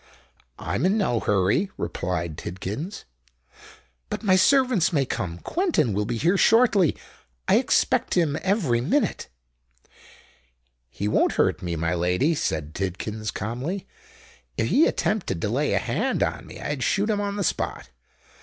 "I'm in no hurry," replied Tidkins. "But my servant may come—Quentin will be here shortly—I expect him every minute——" "He won't hurt me, my lady," said Tidkins, calmly. "If he attempted to lay a hand on me, I'd shoot him on the spot.